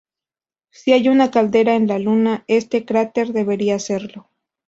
Si hay una caldera en la luna, este cráter debería serlo".